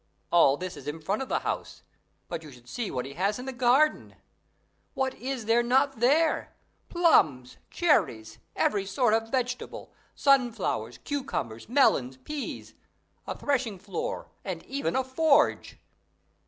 All this is in front of the house; but you should see what he has in the garden. What is there not there? Plums, cherries, every sort of vegetable, sunflowers, cucumbers, melons, peas, a threshing floor, and even a forge.